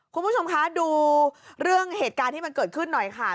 คุณผู้ชมคะดูเรื่องเหตุการณ์ที่มันเกิดขึ้นหน่อยค่ะ